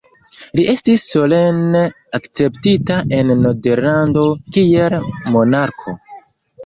Li estis solene akceptita en Nederlando kiel monarko.